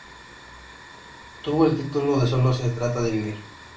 Tuvo el título de "Sólo se trata de vivir".